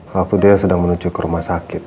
waktu dia sedang menuju ke rumah sakit